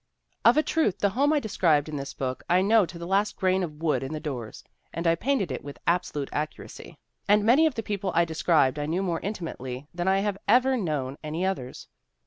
'Of a truth, the home I described in this book I know to the last grain of wood in the doors, and I painted it with absolute accuracy; and many of the people I described I knew more intimately than I ever have known any others.